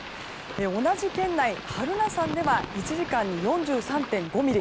同じ県内榛名山では１時間に４３．５ミリ